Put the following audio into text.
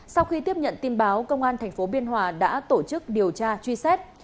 sau khi tiếp nhận tin báo công an tp biên hòa đã tổ chức điều tra truy xét